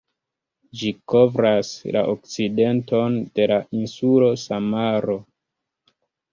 Ĝi kovras la okcidenton de la insulo Samaro.